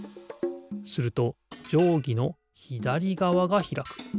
するとじょうぎのひだりがわがひらく。